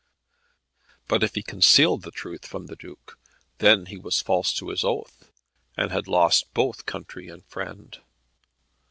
But if he concealed the truth from the Duke, then he was false to his oath, and had lost both country and friend.